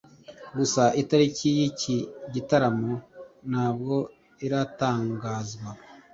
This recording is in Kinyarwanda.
gusa itariki y’iki gitaramo ntabwo iratangazwa